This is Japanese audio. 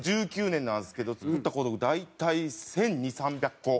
１９年なんですけど作った小道具大体１２００１３００個。